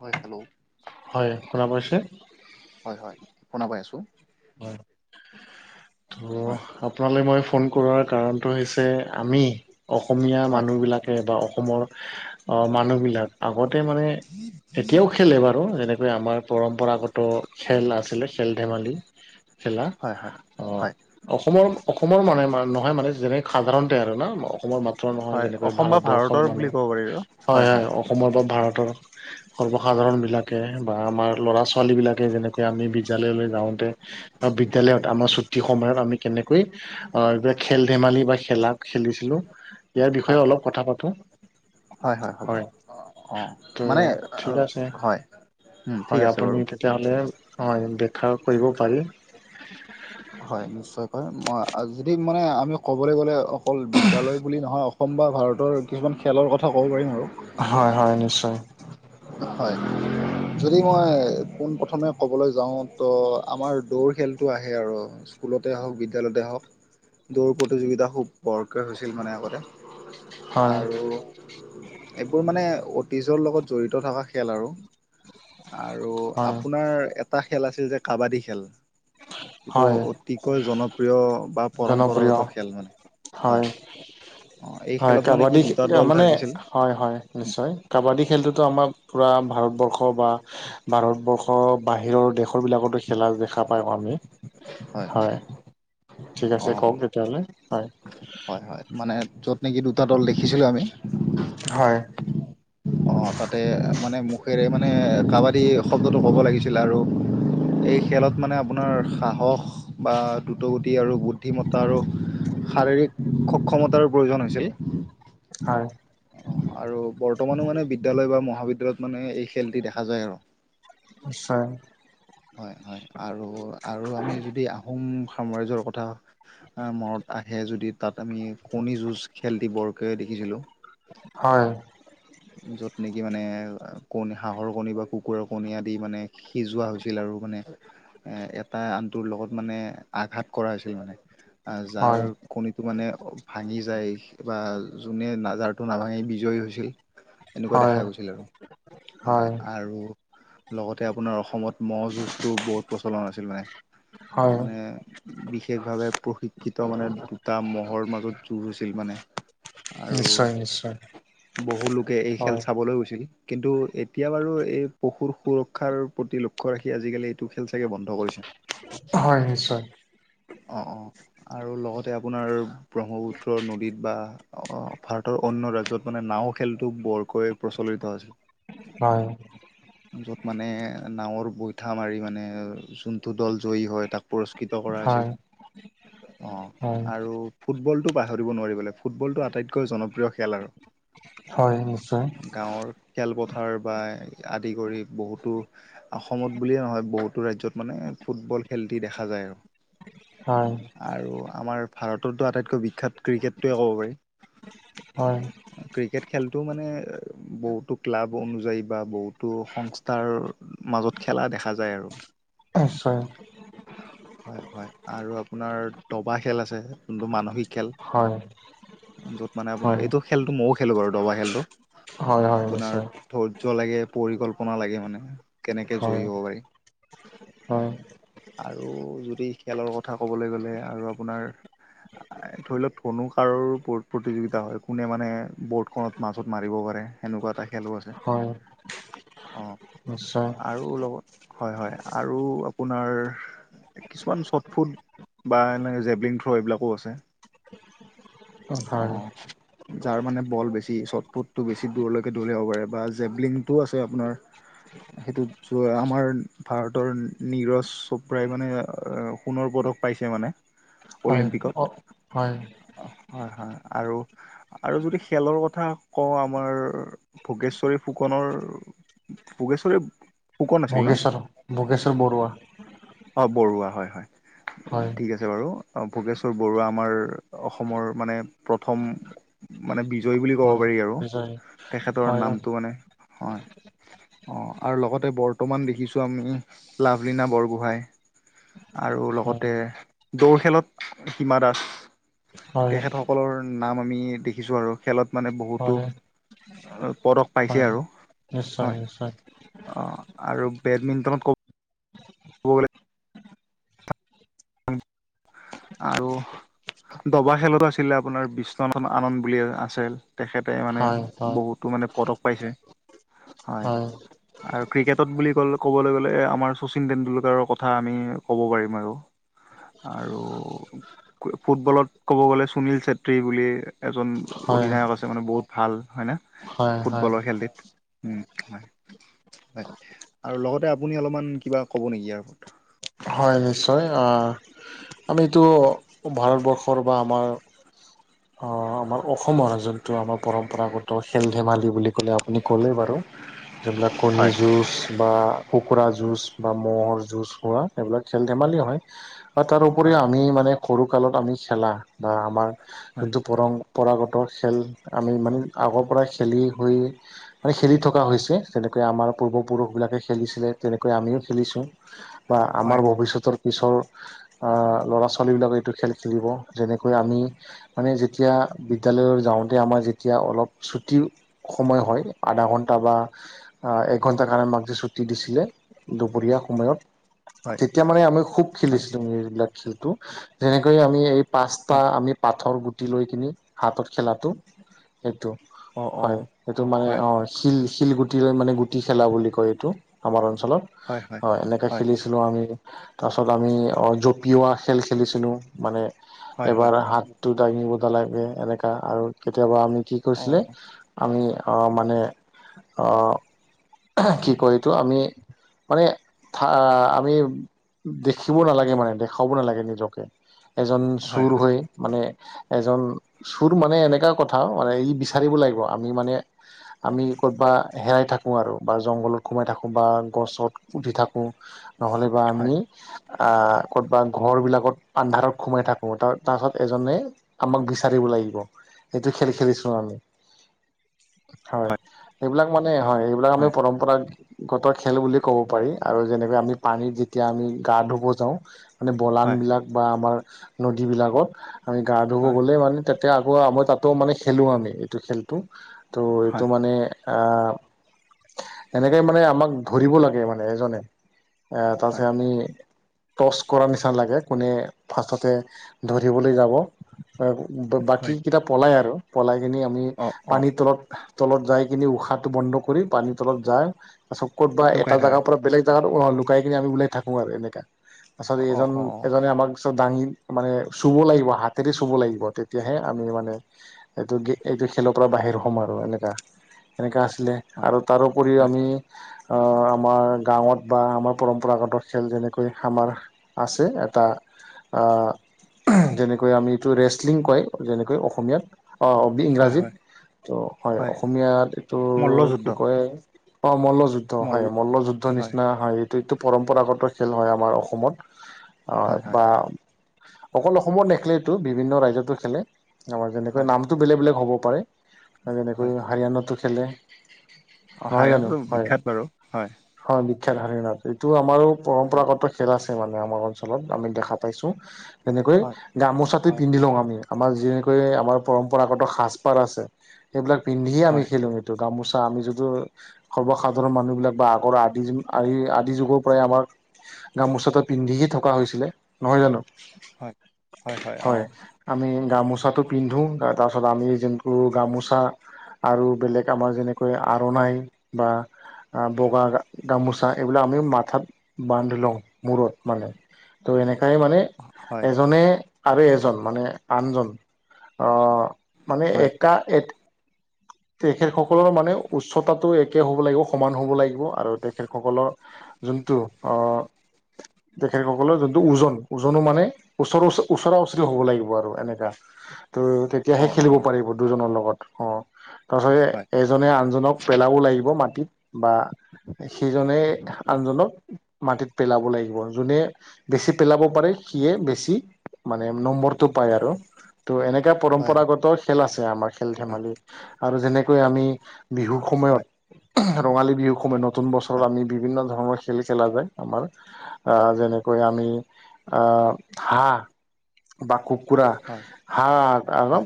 হয়, হেল্ল'? হয়, শুনা পাইছে? হয়-হয়, শুনা পাই আছোঁ। হয়, ত হয় আপোনালৈ মই ফোন কৰাৰ কাৰনটো হৈছে আমি অসমীয়া হয় মানুহবিলাকে বা অসমৰ অ', মানুহবিলাক, আগতে মানে এতিয়াও খেলে বাৰু যেনেকৈ আমাৰ পৰম্পৰাগত খেল আছিলে খেল -ধেমালি খেলা হয় হয় অ হয় অসমৰ-অসমৰ মানে নহয় মানে যেনে সাধাৰণতে আৰু না অসমৰ মাত ত্ৰ নহয় হয় যেনেকৈ অসম বা ভাৰতবৰ্ষৰ ভাৰতৰ বুলি মানুহ, ক'ব পাৰি আৰু হয় হয় হয়-হয় অসমৰ বা ভাৰতৰ সৰ্বসাধাৰণবিলাকে বা আমাৰ ল'ৰা - ছোৱালীবিলাকে যেনেকৈ আমি বিদ্যালয়লৈ যাওঁতে বা বিদ্যালয়ত আমাৰ ছুটি সময়ত আমি কেনেকৈ আহ এইবিলাক খেল - ধেমালি বা খেলা খেলিছিলোঁ, ইয়াৰ বিষয়ে অলপ কথা পাতোঁ। হয়-হয় হ'ব, অ', মানে ঠিক অ', আছে হয়, উম, ঠিক হয় আছে আপুনি বাৰু। তেতিয়াহলে হয় বেখ্যা কৰিব পাৰি। হয় নিশ্চয়কৈ মই যদি মানে আমি ক'বলৈ গ'লে অ অকল বিদ্যালয় বুলি নহয়, অসম বা ভাৰতৰ কিছুমান খেলৰ কথা ক'ব পাৰিম আৰু। হয়-হয় নিশ্চয়। হয়। যদি মই পোনপ্ৰথমে ক'বলৈ যাওঁ ত আমাৰ দৌৰ খেলটো আহে আৰু। স্কুলতে হওঁক, বিদ্যালয়তে হওঁক দৌৰ প্ৰতিযোগিতা খুব বৰ দৰকাৰ হৈছিল মানে আগতে হয় আৰু এইবোৰ মানে অতীজৰ লগত জড়িত থকা খেল আৰু। আৰু হয় আপোনাৰ এ টা খেল আছিল যে কাবাডী খেল, যিটো হয় অতিকৈ জনপ্ৰিয় বা জনপ্ৰিয় পৰম্পৰাগত খেল মানে হয়। অ', এই খেলত মানে কি দুটা দল থাকিছিল। হয়-হয় উম, নিশ্চয়। কাবাডী খেলটোতো আমাৰ পূৰা ভাৰতবৰ্ষ বা ভাৰতবৰ্ষৰ বাহিৰৰ দেশৰ বিলাকতো খেলা দেখা পায় আমি। হয়। ঠিক আছে কওঁক তেতিয়াহ'লে, হয়। হয়-হয় মানে যত নেকি দুটা দল দেখিছিলোঁ আমি। হয়। অ' তাতে মানে মুখেৰে মানে কাবাডী শব্দটো ক'ব লাগিছিলে আৰু এই খেলত মানে আপোনাৰ সাহস বা দ্ৰুতগতি আৰু বুদ্ধিমতা আৰু শাৰীৰিক সক্ষমতাৰো প্ৰয়োজন হৈছিল। হয়। আৰু বৰ্তমানো মানে বিদ্যালয় বা মহাবিদ্যালয়ত মানে এই খেলটি দেখা যায় আৰু। নিশ্চয়। হয়-হয় আৰু-আৰু আমি যদি আহোম সাম্ৰাজ্যৰ কথা আ মৰত আহে যদি তাত আমি কণী যুঁজ খেল দি বৰকে দেখিছিলোঁ। হয়। য'ত নেকি মানে কণী হাঁহৰ কণী বা কুকুৰৰ কণী আদি মানে সিজোৱা হৈছিল আৰু মানে এটা আনটোৰ লগত মানে আঘাত কৰা হৈছিল মানে। আ যাৰ হয় কণীটো মানে ভাঙি যায় বা যোনে নাজাৰটো নাভাঙি বিজয়ী হৈছিল। এনেকুৱা হয় দেখা গৈছিল আৰু হয় আৰু লগতে আপোনাৰ অসমত মহ' যুঁজটো বহুত প্ৰচলন আছিল মানে। হয় মানে বিশেষ ভাৱে প্ৰশিক্ষিত মানে দুটা মহৰ মাজত যুঁজ হৈছিল মানে। আৰু নিশ্চয় নিশ্চয় বহু লোক হয় [unintelligible] কিন্তু এতিয়া বাৰু এই পশুৰ সুৰক্ষাৰ প্ৰতি লক্ষ্য ৰাখি আজিকালি টো খেল চাগে বন্ধ কৰিছে হয় নিশ্চয় অ'। আৰু লগতে আপোনাৰ ব্ৰহ্মপুত্ৰ নদীত বা ভাৰতৰ অন্য ৰাজ্যত মানে নাও খেলটো বৰকৈ প্ৰচলিত হৈছিল। হয়। য'ত মানে নাৱৰ বৈঠা মাৰি মানে যোনটো দল জয়ী হয় তাক পুৰস্কৃত কৰা হয় হৈছিল। অ, হয় আৰু ফুটবলটো পাহৰিব নোৱাৰিবলে, ফুটবলটো আটাইতকৈ জনপ্ৰিয় খেল আৰু। হয় নিশ্চয়। গাঁৱৰ খেলপথাৰ বা আদি কৰি বহুতো অসমত বুলিয়ে নহয়, বহুতো ৰাজ্যত মানে ফুটবল খেলটি দেখা যায় আৰু। হয়। আৰু আমাৰ ভাৰতৰতো আটাইতকৈ বিখ্যাত ক্ৰিকেটটোৱে ক'ব পাৰি। হয়। ক্ৰিকেট খেলটো মানে বহুতো ক্লাব অনুযায়ী বা বহুতো সংস্থাৰ মাজত খেলা দেখা যায় আৰু। নিশ্চয়। হয়, হয় আৰু আপোনাৰ দবা খেল আছে, যোনটো মানসিক খেল, হয় য'ত মানে আপোনাৰ, হয় এইটো খেলটো মইও খেলো বাৰু দবা খেলটো। হয় হয় আপোনাৰ নিশ্চয় ধৈৰ্য্য লাগে, পৰিকল্পনা লাগে মানে। কেনেকে হয় জয়ী হ'ব পাৰি, হয়। আৰু যদি খেলৰ কথা ক'বলৈ গ'লে আৰু আপোনাৰ ধৰি লওঁক ধনু কাঁড়ৰো প্ৰ প্ৰতিযোগিতা হয়। কোনে মানে বৰ্ড খনত মাজত মাৰিব পাৰে সেনেকুৱা এটা খেলো আছে, হয় অ। নিশ্চয় আৰু লগত, হয় হয় আৰু আপোনাৰ কিছুমান চটফুট বা এনে জেভলিং থ্ৰ' এইবিলাকো আছে। হয় অ, যাৰ মানে বল বেছ [unintelligible] চটপুটটো বেছি দূৰলৈকে দলিয়াব পাৰে বা জেভলিংটোও আছে আপোনাৰ। সেইটোত যোৱা আমাৰ ভাৰতৰ নীৰজ চোপ্ৰাই মানে আ সোণৰ পদক পাইছে মানে। হয়, অ, হয়। অ হয়, হয় আৰু আৰু যদি খেলৰ ক কথা কওঁ আমাৰ ভোগেশ্বৰী ফুকনৰ ভোগেশ্বৰীৰ ভোগেশ্বৰো ভোগেশ্বৰ বৰুৱা। অ বৰুৱা হয় হয়। ঠিক আছ [unintelligible] বাৰু। ভোগেশ্বৰ বৰুৱা আমাৰ অসমৰ মানে প্ৰথম মানে বিজয়ী বুলি ক'ব হয় পাৰি আৰু বিজয় তেখেতৰ হয় নামটো মানে, হয়। অ আৰু লগতে বৰ্তমান দেখিছো আমি লাভলীনা বৰগোহাঁই। আৰু হয় লগতে দৌৰ খেলত হিমা দাস। হয় তেখেতসকলৰ নাম আমি দেখিছোঁ আৰু খেলত মানে বহুতো হয় পদক পাইছে হয় আৰু নিশ্চয় নিশ্চয় হয় আৰু বেডমিণ্টনত ক'ব গ'লে আৰু দবা খেলতো আছিলে আপোনাৰ বিশ্বনাথ আনন্দ বুলি এজন আছিল। তেখেতে মানে হয় হয় বহুতো মানে পদক পাইছে। হয়। আৰু ক্ৰিকেটত বুলি ক'লে ক'বলৈ গ'লে আমাৰ শচীন টেণ্ডুলকাৰৰ কথা আমি ক'ব পাৰিম আৰু। আৰু ফুটবলত ক'ব গ'লে সুনীল চেত্ৰী বুলি এজন হয় অধিনায়ক আছে মানে বহুত ভাল হয় না হয় হয় ফুটবলৰ খেলটিত। উম হয়, হয়। আৰু লগতে আপুনি অলপমান কিবা ক'ব নেকি ইয়াৰ ওপৰত? হয়, নিশ্চয় আ আমিটো ভাৰতবৰ্ষৰ বা আমাৰ অ', আমাৰ অসমৰ যোনটো আমাৰ পৰম্পৰাগত খেল ধেমালি বুলি ক'লে আপুনি ক'লেই বাৰু। যোনবিলাক কণী হয় যুঁজ বা কুকুৰা যুঁজ বা ম'হৰ যুঁজ হোৱা এইবিলাক খেল-ধেমালিও হয় আৰু তাৰ হয় উপৰিও আমি মানে সৰুকালত আমি খেলা বা আমাৰ হয় যোনটো পৰম্পৰাগত খেল আমি ইমান আগৰ পৰাই খেলি হৈ মানে খেলি থকা হৈছে, যেনেকৈ আমাৰ পূৰ্বপুৰুষবিলাকে খেলিছিলে, তেনেকৈ আমিও খেলিছোঁ। আমাৰ ভৱিষ্যতৰ পিছৰ অ', ল'ৰা-ছোৱালীবিলাকে এইটো খেল খেলিব, যেনেকৈ আমি মানে যেতিয়া বিদ্যালয় যাওঁতে আমাৰ যেতিয়া অলপ ছুটি সময় হয়, আধা ঘন্টা বা হা একঘণ্টাৰ কাৰণে আমাক যে ছুটি দিছিলে, দুপৰীয়া সময়ত। হয় তেতিয়া মানে আমি খুব হয় খেলিছিলো এইবিলাক খেলতো, যেনেকৈ আমি এই পাঁচটা হয় হয় আমি পাথৰ গুটি লৈ কিনি, হাতত খেলাটো, সেইটো। অ অ হয়, সেইটো মানে হয় অ' শিল-শিল গুটি লৈ মানে গুটি খেলা বুলি কয় এইটো, আমাৰ অঞ্চলত, হয় এনেকা খেলি লো আমি, তাৰপাছত আমি অ', জপিওৱা খেল খেলিছিলো। মানে হয় হয় এবাৰ হাতটো দাঙিব দা লাগে এনেকা আৰু কেতিয়াবা আমি কি অ কৈছিলে আমি অ', মানে অ' কি কয় এইটো আমি মানে থা আমি দেখিব নালাগে মানে, দেখোৱাব নালাগে নিজকে। এজন হয় চুৰ হয় হৈ মানে এজন চুৰ মানে এনেকা কথা, মানে ই বিচাৰিব লাগিব, আমি মানে আমি ক'তবা হেৰাই থাক কো আৰু বা জংঘলত কোমাই থাকোঁ বা গছত উঠি থাকোঁ, নহ'লে বা হয় আমি আ ক'তবা ঘৰবিলাকত আন্ধাৰত সোমাই থাকোঁ, তাৰ তাৰপাছত এজনে আমাক বিচাৰিব লাগিব, এইটো খেল খেলিছো আমি। হয়, এইবিলাক মানে হয়, এইবিলাক আমি হয় পৰম্পৰা গতৰ খেল বুলি ক'ব পাৰি আৰু যেনেকোৱা আমি পানীত যেতিয়া আমি গা ধুব যাওঁ মানে হয় বলানবিলাক বা আমাৰ নদীবিলাকক আমি গা ধুব হয় গ'লে মানে তেতিয়া আকৌ আ মই তাতো মানে খেলো আমি এইটো খেলটো, ত' এইটো হয় মানে আ এনেকে মানে আমাক ধৰিব লাগে মানে এজনে, এ তাতে হয় আমি টচ কৰাৰ নিচিনা লাগে, কোনে ফাৰ্ষ্টতে ধৰিবলে যাব। বাকী হয় কেইটা পলাই আৰু পলাই কিনি আমি অ অ পানীৰ তলত তলত যায় কিনি উশাহটো বন্ধ কৰি পানীৰ তলত যায়, তাৰপাছত ক'ত বা এটা লুকাই থাকে জাগাৰ পৰা বেলেগ জেগাত লুকাই কিনে আমি ওলাই থাকো আৰু এনেকা, পাছত অ এইজন অ এজনে আমাক [unintelligible] দাঙি মানে চুব লাগিব হাতেৰে চুব লাগিব, তেতিয়াহে আমি মানে এইটো গে এইটো খেলৰ পৰা বাহিৰ হ'ম আৰু এনেকা, এনেকা আছিলে। হয় আৰু তাৰ উপৰিও হয় আমি অ', আমাৰ গাঁৱত বা আমাৰ পৰম্পৰাগত খেল যেনেকৈ আমাৰ আছে এটা অ', যেনেকৈ আমি এইটো ৰেচলিং কয় যেনেকৈ অসমীয়াত, অ' [unintelligible] হয় ইংৰাজীত, হয় ত' হয় অসমীয়াত এইটো মল্লযুদ্ধ কি কয় অ', মল্লযু ত' মল হয়, মল্লযুদ্ধ নিচিনা হয়, এইটো- এইটো পৰম্পৰাগত খেল হয় আমাৰ অসমত। অ', হয় হয় বা অকল অসমত নেখেলেটো, বিভিন্ন ৰাজ্যতো খেলে। আমাৰ যেনেকৈ হয় নামটো বেলেগ- বেলেগ হ'ব পাৰে, যেনেকৈ হয় হাৰিয়ানাতো খেলে। অ নহয় জানো হাৰিয়ানাটো হয়- বিখ্যাত বাৰু হয় হয় বিখ্যাত হাৰিয়ানাত, এইটো আমাৰো অ পৰম্পৰাগত খেল আছে মানে আমাৰ অঞ্চলত আমি দেখা পাইছোঁ। তেনেকৈ হয় গামোচাটো হয় পিন্ধি লওঁ আমি। আমাৰ যেনেকৈ আমাৰ পৰম্পৰাগত সাজপাৰ আছে। এইবিলাক পিন্ধিয়ে আমি হয় খেলোঁ এইটো গামোচা আমি যদিটো সৰ্বসাধাৰণ মানুহ বিলাক বা আগৰ আদি-আদি-আদি যুগৰ পৰাই আমাক গামোচাটো পিন্ধিে থকা হৈছিলে নহয় জানোঁ? হয় হয় অ হয়। আমি গামোচাতটো পিন্ধো তাৰপিছত আমি যোনটো গামোচা আৰু বেলেগ আমাৰ যেনেকৈ আৰণাই বা আহ বগা গামোচা এইবিলাক আমি মাথাত বান্ধি লওঁ, মূৰত মানে। তো এনেকাই মানে হয় এজনে আৰু এজন মানে আনজন অ, মানে হয় এটা-এট তেখেত সকলৰ মাজ মানে উচ্চতাটো একে হ'ব লাগিব সমান হ'ব লাগিব আৰু তেখেতসকলৰ যোনটো আহ তেখেতসকলৰ যোনটো ওজন, ওজনো মানে ওচৰও ওচৰা ওচৰি হ'ব লাগিব আৰু এনেককা ত অ তেতিয়াহে অ খেলিব পাৰিব দুজনৰ লগত অ', তাৰ হয় পিছ এজ জনে আনজনক পেলাব লাগিব মাটিত বা সেইজনে আনজনক মাটিত পেলাব লাগিব যোনে বেছি পেলাব পাৰে সিয়ে বেছি মানে নম্বৰটো পাই আৰু ত' এনেকাে হয় পৰম্পৰাগত খেল আছে আমাৰ খেল হয় ধেমালি। আৰু যেনেকৈ আমি বিহুৰ হয় সময়ত ৰঙালী বিহুৰ সময়ত নতুন বছৰত হয় আমি বিভিন্ন ধৰণৰ খেল খেলা যায় আমাৰ। আ যেনেকৈ আমি অ, হাঁহ বা কুকুৰা হয় হাঁহ আৰু হয়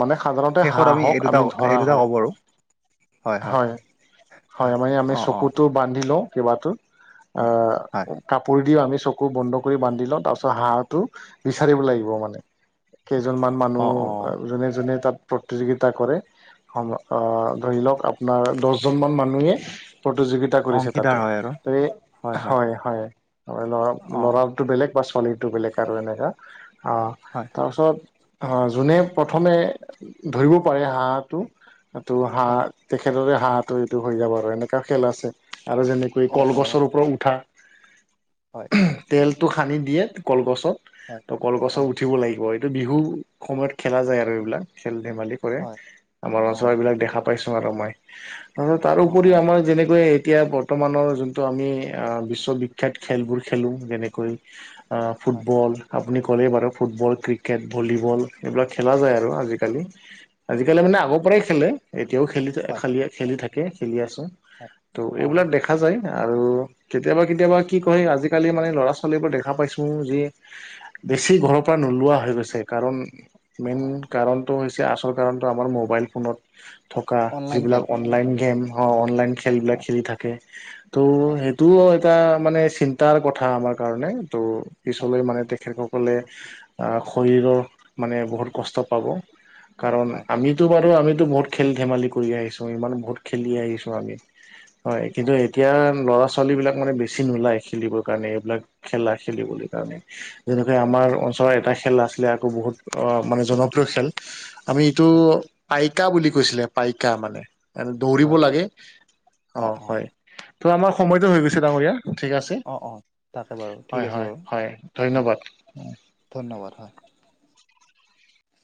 মানে সাধাৰণতে শেষত এই হাঁহহক দুটা আমি এই ধৰা দুটা হয়। ক'ব আৰু হয় হয় হয়-হয়, মানে আমি অ অ চকুতো বান্দি লওঁ কিবা টো। আ হয় হয় কাপোৰ দি আমি চক আকৌ বন্ধ কৰি বান্ধি লওঁ তাৰপিছত স়টো বিচাৰিব লাগিব মানে। কেইজনমান মানুহ অ অ যোনে-যোনে তাত প্ৰতিযোগিতা কৰে সম অ, ধৰি লওঁক আপোনাৰ দহজনমান মানুহে প্ৰতিযোগিতা কৰিছে অংশীদাৰ তাতে। হয় আৰু টো এ হয় হয় হয়-হয়, অ ল'ৰা-ল'ৰা টো বেলেগ বাছ পোৱালিটিটো বেলেগ আৰু এনেকুৱা, অ'। হয়। তাৰপিছত অ, যোনে প্ৰথমে ধৰিব পাৰে হাঁহটো। এইটো হয় হাঁহ তেখেতৰে হাঁহটো এইটো হৈ যাব আৰু এনেকুৱা খেল আছে। আৰু যেনে অ অ কলগছৰ ওপৰত উঠা। হয়। তেলটো সানি দিয়ে কলগছত হয় তো কলগছত হয় উঠিব লাগিব। বিহু সময়ত খেলা যায় আৰু এইবিলাক খেল ধেমালি কৰে হয় আমাৰ অ মাজত দেখা পাইছোঁ আৰু মই তাৰ অ উপৰি অ আমাৰ যেনেকৈ এতিয়া ব বৰ্তমানৰ যোনটো আমি বিশ্ববিখ্যাত খেলবোৰ খেলোঁ যেনেকৈ অ', হয় ফুটবল। আপুনি ক'লেই বাৰু ফুটবল, ক্ৰিকেট, ভলীবল, এইবিলাক খেলা যায় আৰু আজিকালি। আজিকালি হয় মানে আগৰ পৰাই খেলে। এতিয়াও খেলি হয় খি খেলি থাকে, খেলি আছোঁ। হয় তো এইবিলাক দেখা দেখা যায় আৰু কেতিয়াবা-কেতিয়াবা কি কয়, আজিকালি মানে ল'ৰা ছোৱালীবোৰ দেখা পাইছোঁ যি বেছি ঘৰৰ পৰা নোলোৱা হৈ গৈছে কাৰণ অ মেইন অ কাৰণটো হৈছে আচল কাৰণটো আমাৰ মোবাইল ফোনত থকা অনলাইন যিবিলাক খেল অনলাইন গেম হ অনলাইন খেলবিলাক অ খেলি থাকে। ত' হয় সেইটোও এটা মানে চিন্তাৰ কথা আমাৰ কাৰণে ত' হয় পিছলৈ মানে তেখেত সকলে আহ শৰীৰৰ মানে বহুত কষ্ট পাব কাৰণ হয় আমিতো বাৰু আমি বহুত খেল ধেমালি কৰি আহিছোঁ, ইমান বহুত খেলি আহিছোঁ আমি। হয়। কিন্তু এতিয়া ল'ৰা চ ছোৱালীবিলাক মানে বেছি নোলায় খেলিবৰ কাৰণে এইবিলাক খেলা খেলিবলৈ কাৰণে। যেনেকৈ আমাৰ হয় অঞ্চলৰ এটা খেল আছিলে আকৌ বহুত অ, মানে জনপ্ৰিয় খেল। আমি টো হয় পকা বুলি কৈছিলে পাইকা মানে দৌৰিব হয় হয় লাগে, অ', হয়। তো আমাৰ সময়তো হৈ গৈছে ডাঙৰীয়া। ঠিক আছে, অ অ তাকে বাৰু ঠিক আছে বাৰু হয়-হয়-হয়, হয় ধন্যবাদ, উম। ধন্যবাদ হয়।